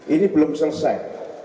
ini belum selesai